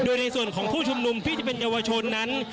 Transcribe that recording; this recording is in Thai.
โดยในส่วนของผู้ชุมนุมที่จะเป็นเยาวชนนั้น